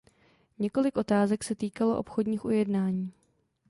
Několik otázek se týkalo obchodních ujednání.